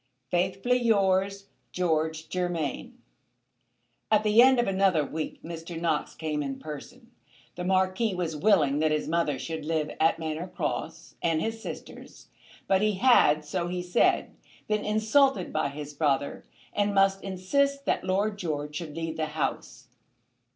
"Faithfully yours, "GEORGE GERMAIN." At the end of another week Mr. Knox came in person. The Marquis was willing that his mother should live at Manor Cross, and his sisters. But he had, so he said, been insulted by his brother, and must insist that Lord George should leave the house.